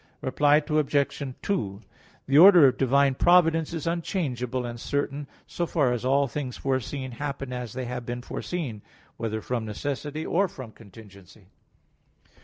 Reply Obj. 2: The order of divine providence is unchangeable and certain, so far as all things foreseen happen as they have been foreseen, whether from necessity or from contingency.